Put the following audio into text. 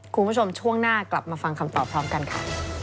คุณผู้ชมช่วงหน้ากลับมาฟังคำตอบพร้อมกันค่ะ